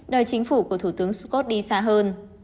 đòi chính phủ của thủ tướng scott đi xa hơn